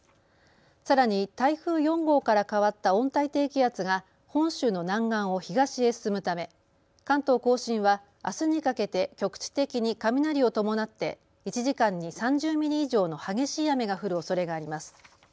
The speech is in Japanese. さらに台風４号から変わった温帯低気圧が本州の南岸を東へ進むため関東甲信はあすにかけて局地的に雷を伴って１時間に３０ミリ以上の激しい雨が降るおそれがあります。